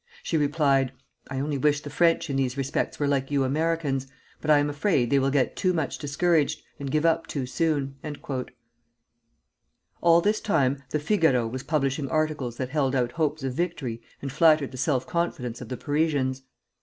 She replied: 'I only wish the French in these respects were like you Americans; but I am afraid they will get too much discouraged, and give up too soon.'" [Footnote 1: Recollections of a Minister to France.] All this time the "Figaro" was publishing articles that held out hopes of victory and flattered the self confidence of the Parisians.